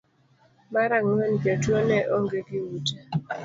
mar ang'wen jotuwo ne onge gi ute